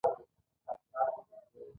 د خټې صفحه په لاسو هواره کړئ.